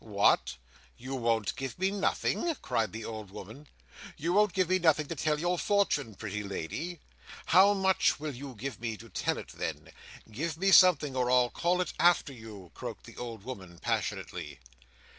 "What! You won't give me nothing?" cried the old woman. "You won't give me nothing to tell your fortune, pretty lady? How much will you give me to tell it, then? Give me something, or I'll call it after you!" croaked the old woman, passionately.